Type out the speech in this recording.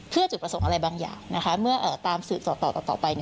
เพื่อจุดประสงค์อะไรบางอย่างเมื่อตามสืบต่อไป